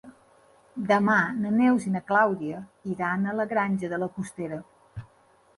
Demà na Neus i na Clàudia iran a la Granja de la Costera.